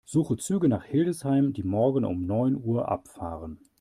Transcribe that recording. Suche Züge nach Hildesheim, die morgen um neun Uhr abfahren.